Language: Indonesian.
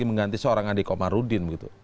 nanti seorang adi komarudin begitu